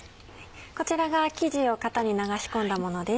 こちらが生地を型に流し込んだものです。